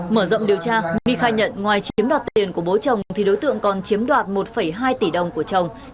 mở rộng điều tra my khai nhận ngoài chiếm đoạt tiền của bố chồng thì đối tượng còn chiếm đoạt một hai tỷ đồng của chồng